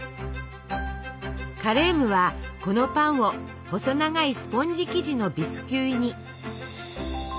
カレームはこのパンを細長いスポンジ生地のビスキュイに。